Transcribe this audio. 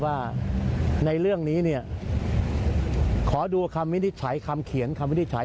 ว่าในเรื่องนี้เนี่ยขอดูคำวินิจฉัยคำเขียนคำวินิจฉัย